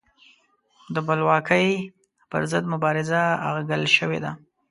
د بلواکۍ پر ضد مبارزه اغږل شوې ده.